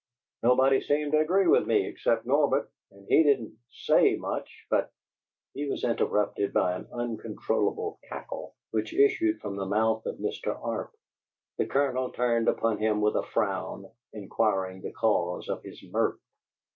Nobody seemed to agree with me, except Norbert, and he didn't SAY much, but " He was interrupted by an uncontrollable cackle which issued from the mouth of Mr. Arp. The Colonel turned upon him with a frown, inquiring the cause of his mirth.